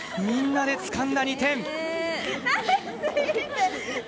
みんなでつかんだ２点。